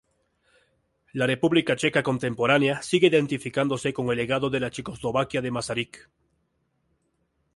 La República Checa contemporánea sigue identificándose con el legado de la Checoslovaquia de Masaryk.